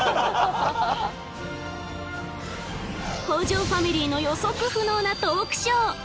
北条ファミリーの予測不能なトークショー。